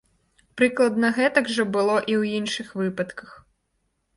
Прыкладна гэтак жа было і ў іншых выпадках.